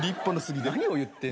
何を言ってんの。